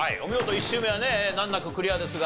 １周目はね難なくクリアですが。